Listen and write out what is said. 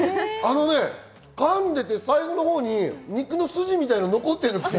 噛んでいて最後のほうに肉のスジみたいなのが残ってる。